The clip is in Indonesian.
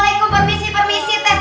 rasain aja pak siti